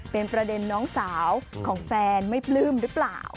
เป็นประเด็นน้องสาวของแฟนไม่ปลื้มหรือเปล่า